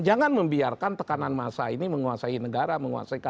jangan membiarkan tekanan masa ini menguasai negara menguasai kata kata